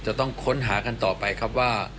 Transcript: จะต้องค้นหากันต่อไปครับว่า